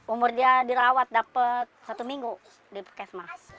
umurnya dirawat dapat satu minggu di perkesmas